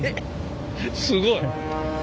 すごい。